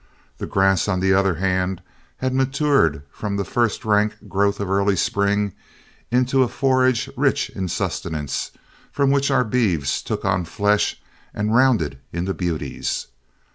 The grass, on the other hand, had matured from the first rank growth of early spring into a forage, rich in sustenance, from which our beeves took on flesh and rounded into beauties.